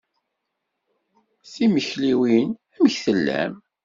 Timekliwin. Amek tellam?